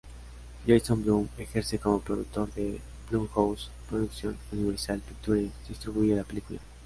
Jason Blum ejerce como productor en Blumhouse Productions y Universal Pictures distribuye la película.